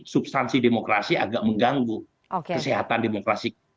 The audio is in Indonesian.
substansi demokrasi agak mengganggu kesehatan demokrasi